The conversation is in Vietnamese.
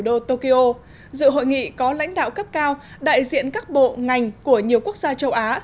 dự hội nghị có lãnh đạo cấp cao đại diện các bộ ngành của nhiều quốc gia châu á